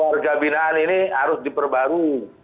pergabinaan ini harus diperbaru